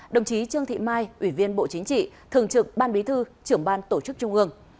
đồng chí trương thị mai ủy viên bộ chính trị thường trực ban bí thư trưởng ban tổ chức trung ương